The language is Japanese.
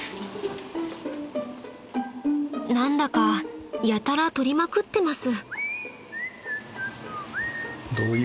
［何だかやたら撮りまくってます］